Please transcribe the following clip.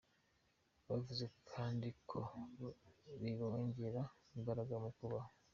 Bavuze kandi ko bibongera imbaraga zo kubaho.